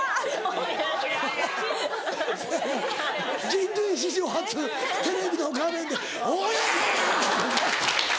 人類史上初テレビの画面で「親や‼」ってな。